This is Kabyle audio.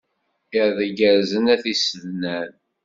Iḍ igerrzen a tisednan.